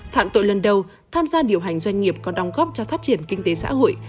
phạm tội lần đầu tham gia điều hành doanh nghiệp có đóng góp cho phát triển kinh tế xã hội